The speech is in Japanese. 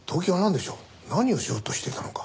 何をしようとしてたのか。